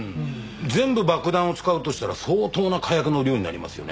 全部爆弾を使うとしたら相当な火薬の量になりますよね。